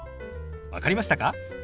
分かりましたか？